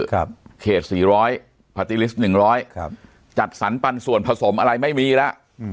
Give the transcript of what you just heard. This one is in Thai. เขต๔๐๐พาร์ติลิสต์๑๐๐จัดสรรปันส่วนผสมอะไรไม่มีแล้ว